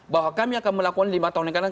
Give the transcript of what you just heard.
bahwa kami akan melakukan lima tahun yang lalu